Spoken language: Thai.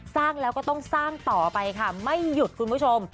สร้างแล้วก็ต้องสร้างต่อไปค่ะไม่หยุดคุณผู้ชม